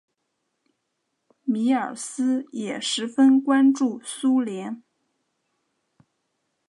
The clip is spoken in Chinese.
米尔斯也十分关注苏联。